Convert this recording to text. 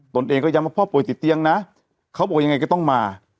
ตนเองก็ย้ำว่าพ่อป่วยติดเตียงนะเขาบอกยังไงก็ต้องมา